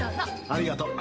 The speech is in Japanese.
ありがとう。